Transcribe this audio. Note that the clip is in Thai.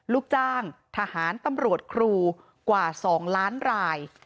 ลูกจ้างทหารตำรวจครูกว่า๒ล้านราย